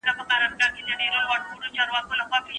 ښوونکي وویل چي موږ له